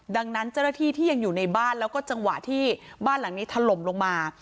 ดังนั้นเจ้าหน้าที่ที่ยังอยู่ในบ้านแล้วก็จังหวะที่บ้านหลังนี้ถล่มลงมา